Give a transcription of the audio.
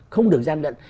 không được gian đận